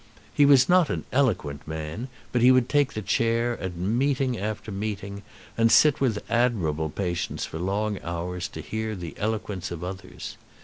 He was not an eloquent man, but he would take the chair at meeting after meeting, and sit with admirable patience for long hours to hear the eloquence of others.